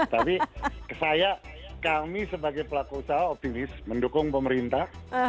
tapi saya kami sebagai pelaku usaha optimis mendukung pemerintah